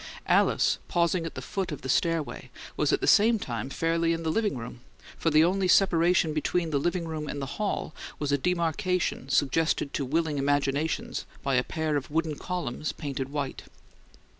Alice, pausing at the foot of the stairway, was at the same time fairly in the "living room," for the only separation between the "living room" and the hall was a demarcation suggested to willing imaginations by a pair of wooden columns painted white.